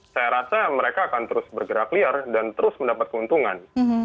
saya rasa mereka akan terus bergerak liar dan terus mendapat keuntungan